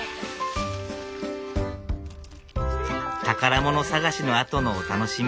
宝物探しのあとのお楽しみ。